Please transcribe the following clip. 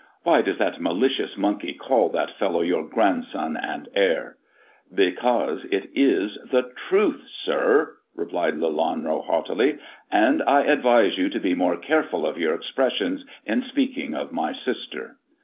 " Why does that malicious monkey call that fellow your grandson and heirl" Because it is the truth, sir," replied Lelanro haughtily ;" and I advise you to be more careful of your expressions in speaking of my sister."